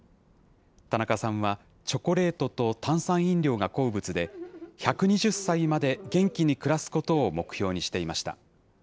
田中さんはチョコレートと炭酸飲料が好物で、１２０歳まで元気に暮らすことを目標にしていました。